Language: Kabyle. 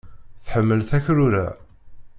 Tḥemmel takrura.